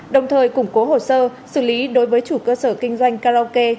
đồng thời củng cố hồ sơ xử lý đối với chủ cơ sở kinh doanh karaoke